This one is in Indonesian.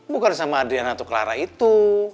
bukan sama adriana atau clara itu